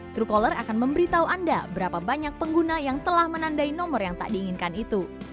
trukoler akan memberitahu anda berapa banyak pengguna yang telah menandai nomor yang tak diinginkan itu